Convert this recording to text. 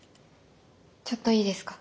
ちょっといいですか？